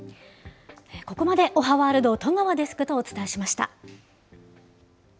ここまでおはワールド、戸川デスクとお伝えしました。